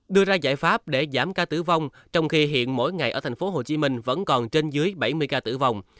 đưa ra giải pháp để giảm ca tử vong trong khi hiện mỗi ngày ở tp hcm vẫn còn trên dưới bảy mươi ca tử vong